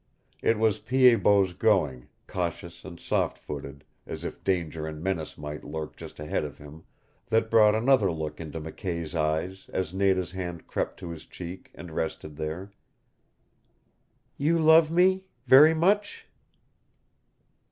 It was Pied Bot's going, cautious and soft footed, as if danger and menace might lurk just ahead of him, that brought another look into McKay's eyes as Nada's hand crept to his cheek, and rested there. "You love me very much?"